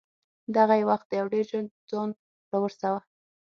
دغه یې وخت دی او ډېر ژر ځان را ورسوه.